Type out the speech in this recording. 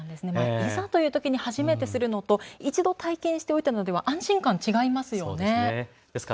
いざというときに初めてするのと１度体験しておいたのでは安心感も違いますよね。